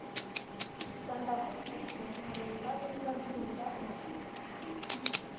gusa ndagututse nkareba niba mpinda umushyitsi